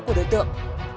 của đối tượng